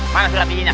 mana surat izinnya